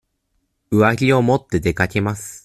上着を持って出かけます。